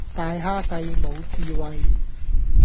大蝦細，無智慧